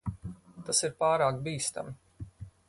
Tas ir pārāk bīstami.